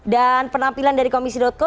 dan penampilan dari komisi co